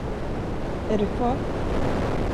Är du kvar?